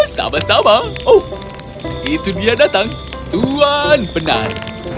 sama sama oh itu dia datang tuhan penat